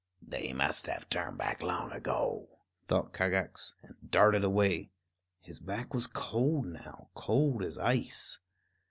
"They must have turned back long ago," thought Kagax, and darted away. His back was cold now, cold as ice.